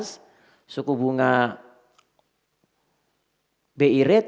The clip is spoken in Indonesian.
suku bunga bi rate